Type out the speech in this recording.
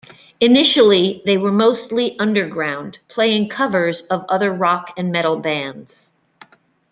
Initially, they were mostly underground, playing covers of other rock and metal bands.